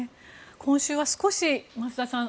今週は少し、増田さん